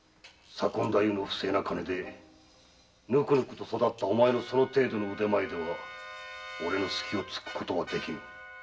左近大夫の不正な金でヌクヌク育ったお前のその程度の腕前ではおれのスキを突くことはできぬ。